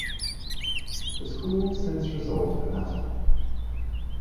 The school since resolved the matter.